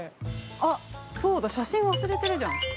あっ、そうだ写真忘れてるじゃん。